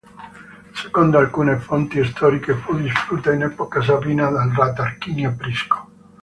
Secondo alcune fonti storiche fu distrutta in epoca sabina dal re Tarquinio Prisco.